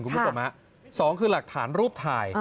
คุณพี่ตอบมั้ย๒คือหลักฐานรูปถ่าย